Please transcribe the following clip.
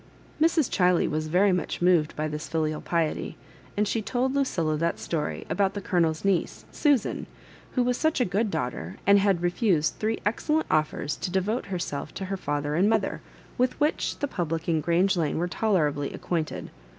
mA Chiley was very much moved by this filial piety, and she told Lucilla that story about the Colonel's niece, Susan, who was such a good daughter, and had refused three excellent offers, to devote herself to her fether and mother, with wliich the public in Grange Lane were tolerably acquainted.